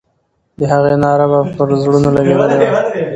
د هغې ناره به پر زړونو لګېدلې وه.